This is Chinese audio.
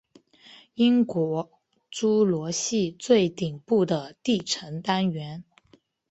英国侏罗系最顶部的地层单元。